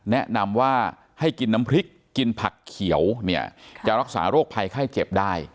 แนะนำว่าให้กินน้ำพริกกินผักเขียวเนี่ยจะรักษาโรคภัยไข้เจ็บได้